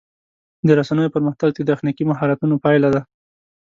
د رسنیو پرمختګ د تخنیکي مهارتونو پایله ده.